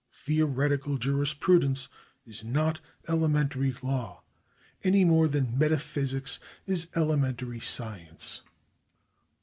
Theo retical jurisprudence is not elementary law, any more than metaphysics is elementary science.